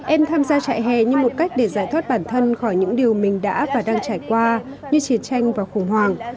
em tham gia trại hè như một cách để giải thoát bản thân khỏi những điều mình đã và đang trải qua như chiến tranh và khủng hoảng